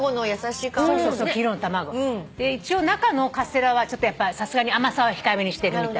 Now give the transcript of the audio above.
一応中のカステラはさすがに甘さは控えめにしてるみたい。